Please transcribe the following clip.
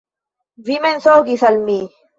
Vi mensogis al mi.